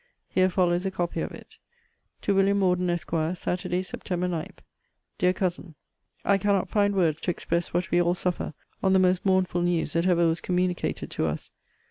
Here follows a copy of it: TO WILLIAM MORDEN, ESQ. SATURDAY, SEPT. 9. DEAR COUSIN, I cannot find words to express what we all suffer on the most mournful news that ever was communicated to us.